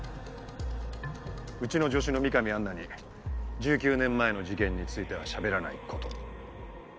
うちの助手の美神アンナに１９年前の事件についてはしゃべらないこと。